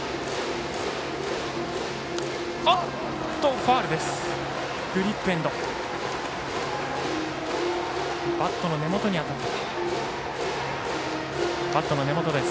ファウルです。